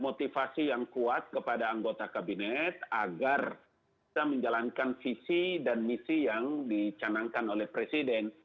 motivasi yang kuat kepada anggota kabinet agar bisa menjalankan visi dan misi yang dicanangkan oleh presiden